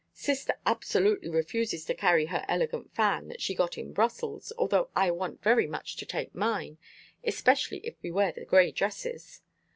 Sister absolutely refuses to carry her elegant fan that she got in Brussels, although I want very much to take mine, especially if we wear the gray dresses.